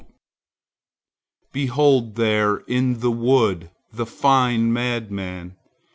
Behold there in the wood the fine madman!